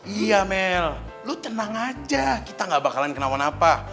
iya mel lu tenang aja kita gak bakalan kenalan apa